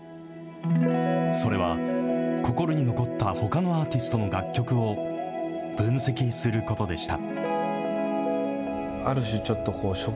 それは、心に残ったほかのアーティストの楽曲を分析することでした。